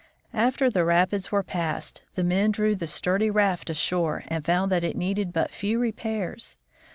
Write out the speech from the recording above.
After the rapids were passed, the men drew the sturdy raft ashore, and found that it needed but few repairs.